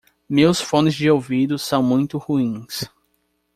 Meus fones de ouvido são muito ruins.